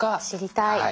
知りたい。